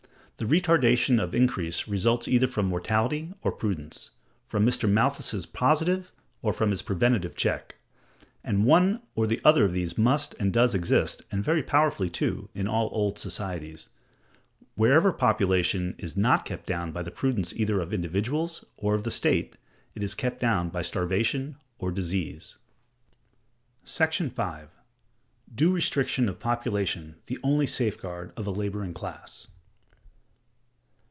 The retardation of increase results either from mortality or prudence; from Mr. Malthus's positive, or from his preventive check: and one or the other of these must and does exist, and very powerfully too, in all old societies. Wherever population is not kept down by the prudence either of individuals or of the state, it is kept down by starvation or disease. § 5. Due Restriction of Population the only Safeguard of a Laboring Class.